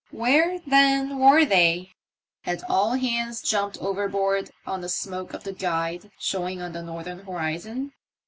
Where, then, were they ? Had all hands jumped overboard on the smoke of the Guide showing on the northern horizon